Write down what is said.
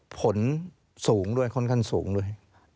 ผลสูงด้วยค่อนข้างสูงด้วย